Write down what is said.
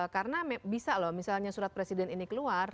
karena bisa loh misalnya surat presiden ini keluar